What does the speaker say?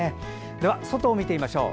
では外を見てみましょう。